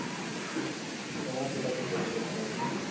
তোমায় সেটা খুঁজে বের করতে হবে।